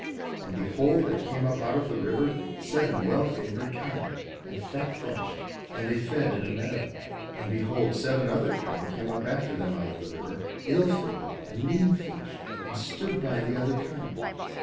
And, behold, there came up out of the river seven well favoured kine and fat fleshed; and they fed in a meadow. And behold, seven other kine came up after them out of the river, ill favoured and lean fleshed; and stood by the other kine.